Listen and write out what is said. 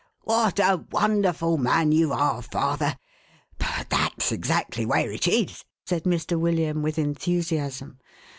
"What a wonderful man you are, father! But that's exactly where it is," said Mr. William, with enthusiasm.